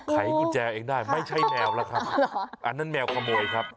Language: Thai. ไขกุญแจเองได้ไม่ใช่แมวล่ะครับ